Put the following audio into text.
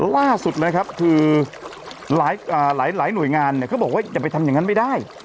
ล่าสุดนะครับคือหลายหน่วยงานเนี่ยเขาบอกว่าอย่าไปทำอย่างนั้นไม่ได้